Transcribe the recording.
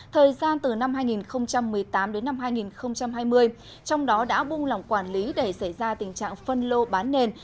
thời gian từ năm hai nghìn một mươi tám đến năm hai nghìn hai mươi trong đó đã buông lỏng quản lý để xảy ra tình trạng phân lô bán nền